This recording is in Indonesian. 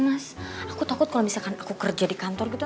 mas aku takut kalau misalkan aku kerja di kantor gitu